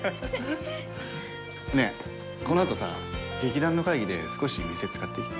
ねえこのあとさ劇団の会議で少し店使っていい？